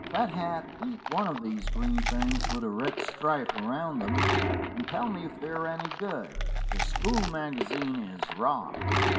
(Fathead, eat one of these green things with the red stripe around them, and tell me if they're any good.) The school magazine is rot.